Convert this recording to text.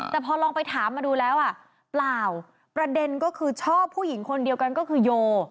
แต่พอลองไปถามมาดูแล้วอ่ะเปล่าประเด็นก็คือชอบผู้หญิงคนเดียวกันก็คือโย